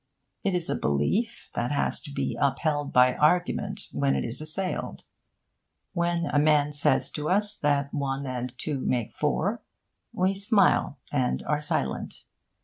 It is a belief that has to be upheld by argument when it is assailed. When a man says to us that one and two make four, we smile and are silent.